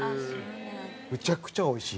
むちゃくちゃおいしい。